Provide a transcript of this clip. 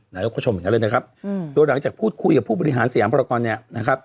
นายกก็ชมอย่างนั้นเลยนะครับโดยหลังจากพูดคุยกับผู้บริหารสยามภารกรเนี่ยนะครับ